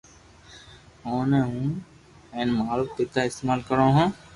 او ني ھون ھين مارو پيتا استمعال ڪرو ھون